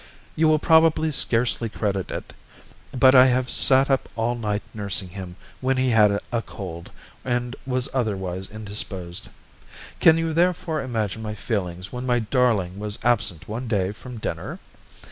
You will probably scarcely credit it, but I have sat up all night nursing him when he had a cold and was otherwise indisposed. Can you therefore imagine my feelings when my darling was absent one day from dinner?